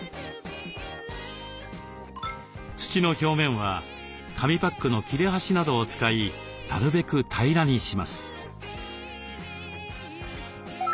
土の表面は紙パックの切れ端などを使いなるべく平らにします。